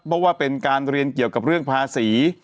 เพราะว่าเป็นการเรียนเกี่ยวกับเรื่องภาษี